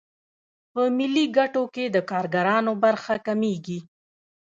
په ملي ګټو کې د کارګرانو برخه کمېږي